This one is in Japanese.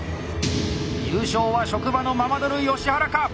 優勝は職場のママドル吉原か。